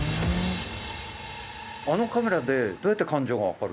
あのカメラでどうやって感情が分かるんですか？